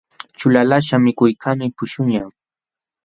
Ćhulalaqśhqa mikuykaqmi puśhuqñaq.